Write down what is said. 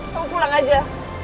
kamu pulang aja